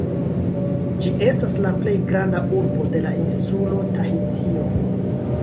Ĝi estas la plej granda urbo de la insulo Tahitio.